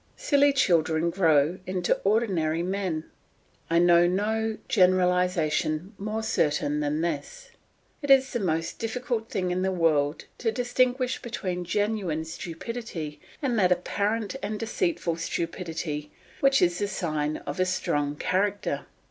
Silly children grow into ordinary men. I know no generalisation more certain than this. It is the most difficult thing in the world to distinguish between genuine stupidity, and that apparent and deceitful stupidity which is the sign of a strong character.